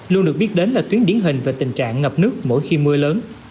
luôn được biết đến là tuyến điển hình về tình trạng ngập nước mỗi khi mưa lớn